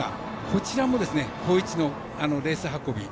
こちらも好位置のレース運び